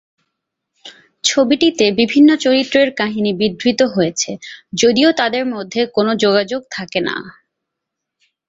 ছবিটিতে বিভিন্ন চরিত্রের কাহিনী বিধৃত হয়েছে, যদিও তাঁদের মধ্যে কোনো যোগাযোগ থাকে না।